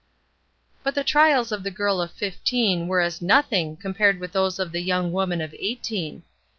But the trials of the girl of fifteen were as nothing compared with those of the young woman of eighteen.